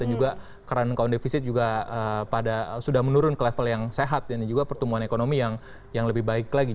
dan juga karena kondisi juga pada sudah menurun ke level yang sehat dan juga pertumbuhan ekonomi yang yang lebih baik lagi